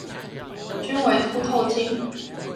均為凸透鏡